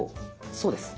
そうです。